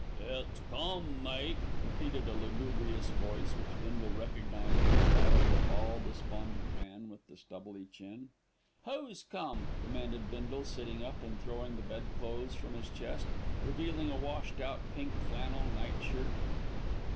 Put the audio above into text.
"It's come, mate," repeated a lugubrious voice, which Bindle recognised as that of the tall, despondent man with the stubbly chin. "Who's come?" demanded Bindle, sitting up and throwing the bedclothes from his chest, revealing a washed out pink flannel night shirt.